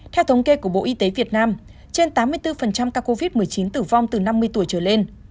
theo thống kê của bộ y tế việt nam trên tám mươi bốn ca covid một mươi chín tử vong từ năm mươi tuổi trở lên